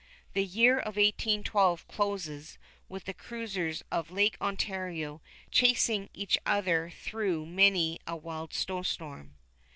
The year of 1812 closes with the cruisers of Lake Ontario chasing each other through many a wild snowstorm.